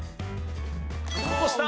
押した！